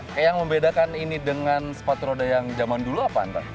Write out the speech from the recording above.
kayak yang membedakan ini dengan sepatu roda yang zaman dulu apa antar